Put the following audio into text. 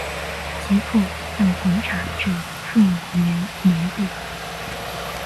其父按浑察至顺元年薨。